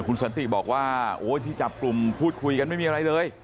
คุณสันติบอกว่าโอ้ยที่จับกลุ่มพูดคุยกันไม่มีอะไรเลย